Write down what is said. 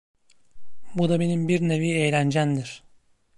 Bu da benim bir nevi eğlencemdir!